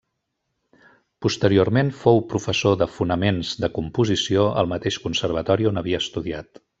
Posteriorment, fou professor de Fonaments de Composició al mateix Conservatori on havia estudiat.